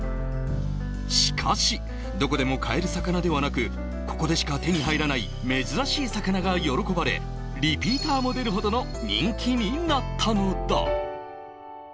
しかし、どこでも買える魚ではなく、ここでしか手に入らない珍しい魚が喜ばれ、リピーターも出るほどの人気になったのだ。